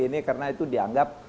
ini karena itu dianggap